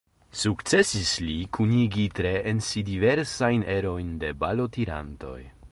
Sukcesis li kunigi tre en si diversajn erojn de balotirantoj.